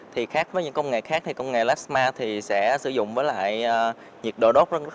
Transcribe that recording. thì khác với những công nghệ khác thì công nghệ lasma thì sẽ sử dụng với lại nhiệt độ đốt v